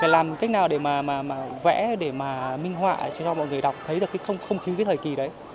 làm cách nào để mà vẽ để mà minh họa cho cho mọi người đọc thấy được cái không khí với thời kỳ đấy